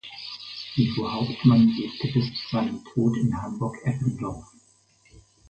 Ivo Hauptmann lebte bis zu seinem Tod in Hamburg-Eppendorf.